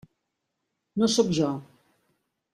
No sóc jo.